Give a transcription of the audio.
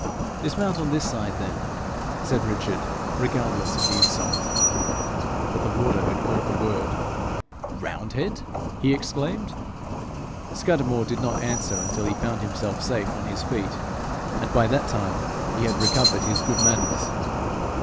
'Dismount on this side then,' said Richard, regardless of the insult. But the warder had caught the word. 'Roundhead!' he exclaimed. Scudamore did not answer until he found himself safe on his feet, and by that time he had recovered his good manners.